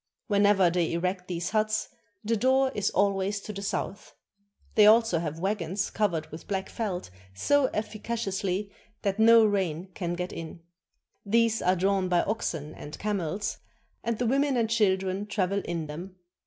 Whenever they erect these huts the door is always to the south. They also have wagons covered with black felt so efficaciously that no rain can get in. These are drawn by oxen and camels, and the women and children travel in them.